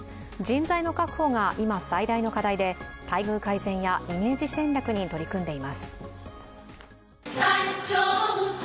人材の確保が今、最大の課題で待遇改善やイメージ戦略に取り組んでいます。